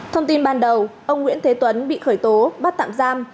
thông tin ban đầu ông nguyễn thế tuấn bị khởi tố bắt tạm giam